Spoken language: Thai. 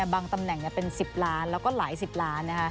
ตำแหน่งเป็น๑๐ล้านแล้วก็หลายสิบล้าน